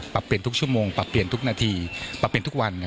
เปลี่ยนทุกชั่วโมงปรับเปลี่ยนทุกนาทีปรับเปลี่ยนทุกวัน